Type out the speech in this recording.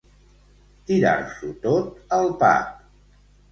Tirar-s'ho tot al pap.